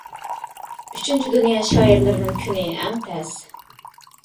ئۈچىنچى دۇنيا شائىرلىرىنىڭ كۈنى ئەڭ تەس.